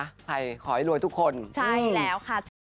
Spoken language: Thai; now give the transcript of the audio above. ใครขอให้รวยทุกคนใช่แล้วค่ะ